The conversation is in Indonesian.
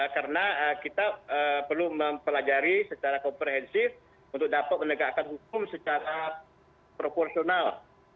karena kita perlu mempelajari secara komprehensif untuk dapat menegakkan hukum secara proporsional